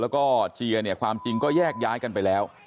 แล้วก็เจียเนี่ยความจริงก็แยกย้ายกันไปแล้ว